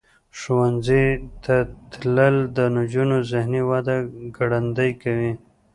ښوونځي ته تلل د نجونو ذهنی وده ګړندۍ کوي.